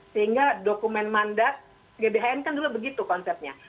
sehingga dokumen mandat gbhn kan dulu begitu konsepnya